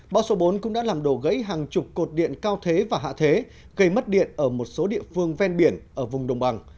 bão số bốn cũng đã làm đổ gãy hàng chục cột điện cao thế và hạ thế gây mất điện ở một số địa phương ven biển ở vùng đồng bằng